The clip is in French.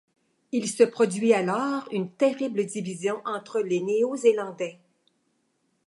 Il se produit alors une terrible division entre les Néo-Zélandais.